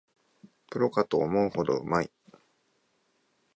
プロかと思うほどうまい